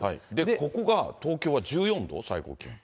ここが東京は１４度、最高気温。